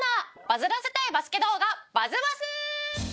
バズらせたいバスケ動画バズバス！